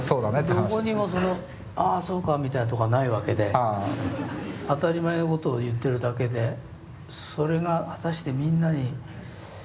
どこにも「ああそうか」みたいなとこはないわけで当たり前のことを言ってるだけでそれが果たしてみんなにどう届くんだろう。